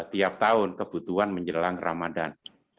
tiap tahun kebutuhan menjelang ramadan